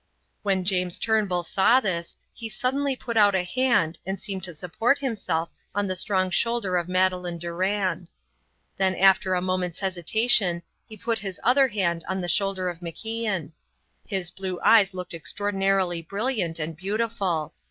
When James Turnbull saw this he suddenly put out a hand and seemed to support himself on the strong shoulder of Madeleine Durand. Then after a moment's hesitation he put his other hand on the shoulder of MacIan. His blue eyes looked extraordinarily brilliant and beautiful.